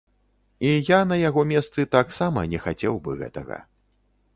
І я на яго месцы таксама не хацеў бы гэтага.